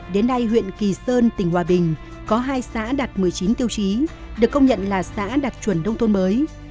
đến nay huyện kỳ sơn tỉnh hòa bình có hai xã đạt một mươi chín tiêu chí được công nhận là xã đạt chuẩn nông thôn mới